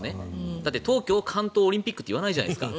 だって東京・関東オリンピックって言わないじゃないですか。